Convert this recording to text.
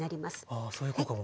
ああそういう効果も。